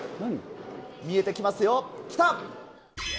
見えてきますよ、来た！